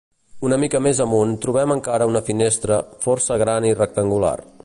Una mica més amunt trobem encara una finestra, força gran i rectangular.